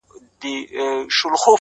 د ښويدلي ژوندون سور دی ستا بنگړي ماتيږي